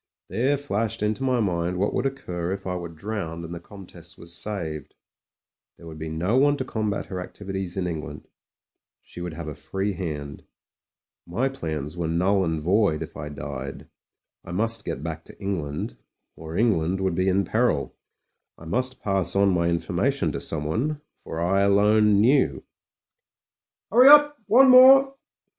There flashed into my mind what would occur if I were drpwned and the Comtesse was saved. There would be no one to combat her activities in England ; she would have a free hand. My plans were null and void if I died; I must get back to England — or Eng land would be in peril. I must pass on my informa tion to someone — for I alone knew. "Hurry up! one more."